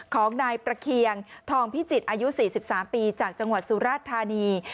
ของนายประเคียงทองพิจิตรอายุ๔๓ปีจากจังหวัดสุราชธานี